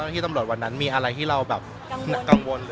มีอะไรที่เรากังวล